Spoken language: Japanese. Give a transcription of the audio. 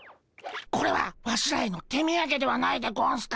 これはワシらへの手みやげではないでゴンスか？